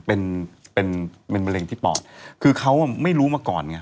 เป็นเป็นมะเร็งที่ปอดคือเขาอ่ะไม่รู้มาก่อนไง